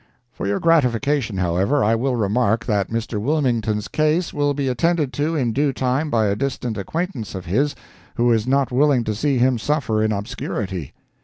For your gratification, however, I will remark that Mr. Wilmington's case will be attended to in due time by a distant acquaintance of his who is not willing to see him suffer in obscurity.